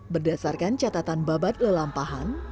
berdasarkan catatan babat lelampahan